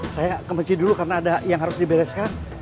saya kemenci dulu karena ada yang harus dibereskan